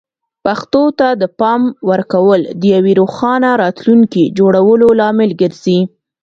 پښتو ته د پام ورکول د یوې روښانه راتلونکې جوړولو لامل ګرځي.